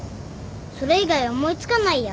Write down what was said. それ以外思い付かないや。